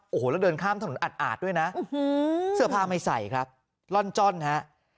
โอ้โหแล้วเดินข้ามถนนอาจด้วยนะเสื้อผ้าไม่ใส่ครับร่อนจ้อนฮะ